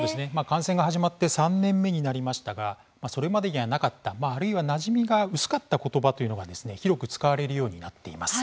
感染が始まって３年目になりましたが、それまでにはなかった、あるいはなじみが薄かった言葉というのがですね広く使われるようになっています。